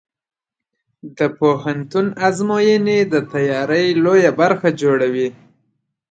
د پوهنتون ازموینې د تیاری لویه برخه جوړوي.